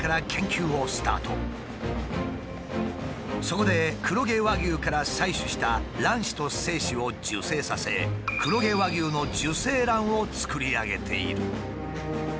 そこで黒毛和牛から採取した卵子と精子を受精させ黒毛和牛の受精卵を作り上げている。